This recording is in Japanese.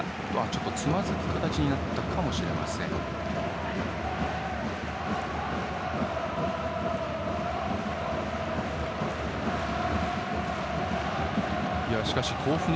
ちょっとつまずく形になったかもしれません、大迫。